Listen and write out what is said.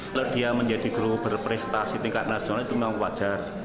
kalau dia menjadi guru berprestasi tingkat nasional itu memang wajar